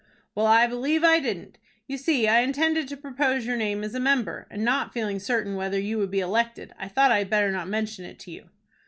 "Well, I believe I didn't. You see I intended to propose your name as a member, and not feeling certain whether you would be elected, I thought I had better not mention it to you."